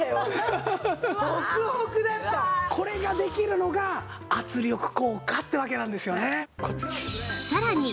これができるのが圧力効果ってわけなんですよね。